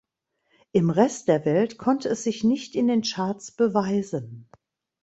Im Rest der Welt konnte es sich nicht in den Charts beweisen.